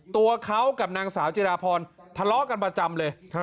ตัวเขากับนางสาวจิราพรทะเลาะกันประจำเลย